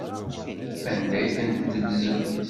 Anda ay tent-teddzem?